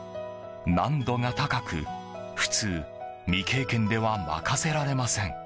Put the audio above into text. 難度が高く、普通未経験では任せられません。